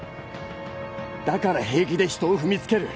だから平気で人を踏みつける。